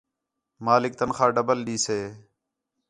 مالک تنخواہ ڈبل ݙیسے